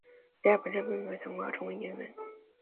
蕾雅本身并没有想过要成为演员。